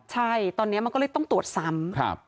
ใช่ตอนนี้มันก็เลยต้องตรวจซ้ำ